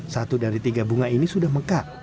satu dari tiga bunga ini sudah mekar